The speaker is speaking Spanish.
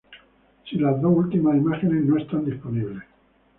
Si las dos ultimas imágenes no están disponibles.